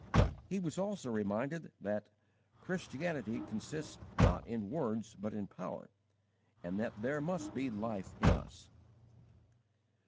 He was also reminded that "Christianity consists not in words but in power, and that there must be life in us."